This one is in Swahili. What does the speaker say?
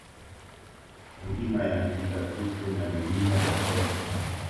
Milima ya Tikatupu na Milima ya Tossa